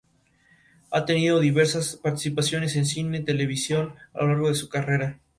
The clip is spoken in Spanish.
Ha tenido diversas participaciones en cine y televisión a lo largo de su carrera.